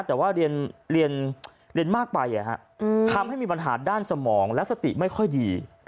แต่ว่าเรียนมากไปทำให้มีปัญหาด้านสมองและสติไม่ค่อยดี